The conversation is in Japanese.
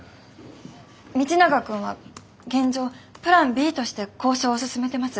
道永君は現状プランＢとして交渉を進めてます。